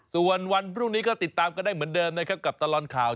ส่วนวันพรุ่งนี้ก็ติดตามกันได้เหมือนเดิมนะครับกับตลอดข่าว